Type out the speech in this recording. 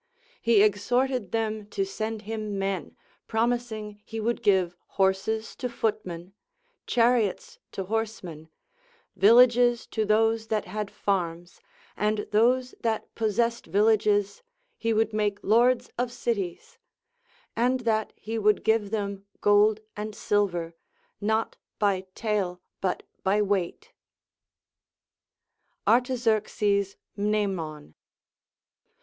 He exhorted them to send him men, promising he would give horses to footmen, chariots to horsemen, villages to those that had farms, and those that possessed villages he would make lords of cities ; and that he would give them gold and silver, not by tale but by Aveight. Artaxerxes Mnemon.